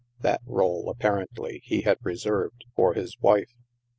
That role, apparently, he had reserved for his wife.